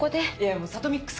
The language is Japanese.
もう「サトミックス」